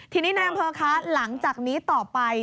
ทีนี้นายอำเภอคะหลังจากนี้ต่อไป